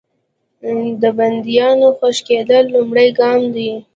د بندیانو خوشي کېدل لومړی ګام دی.